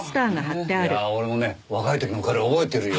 いやあ俺もね若い時の彼を覚えてるよ。